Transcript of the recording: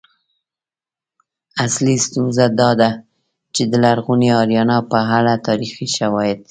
اصلی ستونزه دا ده چې د لرغونې آریانا په اړه تاریخي شواهد